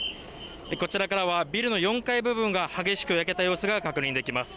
こちらからはビルの４階部分が激しく焼けた様子が確認できます。